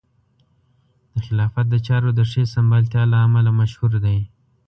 د خلافت د چارو د ښې سمبالتیا له امله مشهور دی.